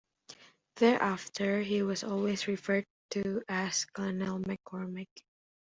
Thereafter, he was always referred to as Colonel McCormick.